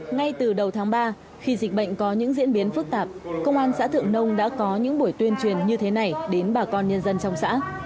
ngay từ đầu tháng ba khi dịch bệnh có những diễn biến phức tạp công an xã thượng nông đã có những buổi tuyên truyền như thế này đến bà con nhân dân trong xã